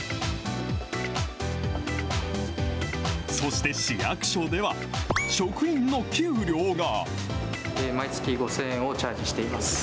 そして市役所では、職員の給料が。